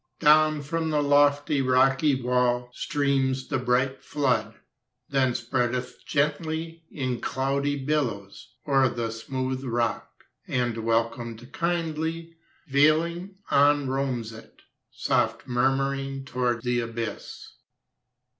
Down from the lofty Rocky wall Streams the bright flood, Then spreadeth gently In cloudy billows O'er the smooth rock, And welcomed kindly, Veiling, on roams it, Soft murmuring, Tow'rd the abyss.